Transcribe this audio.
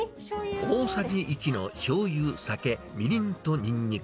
大さじ１のしょうゆ、酒、みりんとニンニク。